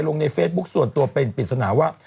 ลงในเฟซบุ๊คส่วนตัวเป็นปริศนาว่า